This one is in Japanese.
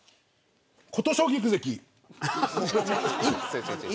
琴奨菊関。